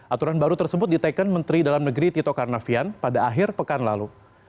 aturan baru tersebut diteken menteri dalam negeri tito karnavian pada akhir pekan lalu